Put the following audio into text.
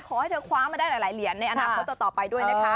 ขอให้เธอคว้ามาได้หลายเหรียญในอนาคตต่อไปด้วยนะคะ